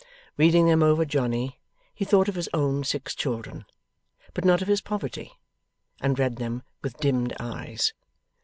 Reading them over Johnny, he thought of his own six children, but not of his poverty, and read them with dimmed eyes.